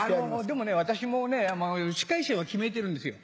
でも私もうね司会者は決めてるんですよ。